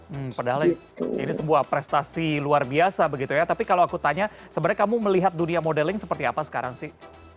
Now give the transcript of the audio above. hmm padahal ini sebuah prestasi luar biasa begitu ya tapi kalau aku tanya sebenarnya kamu melihat dunia modeling seperti apa sekarang sih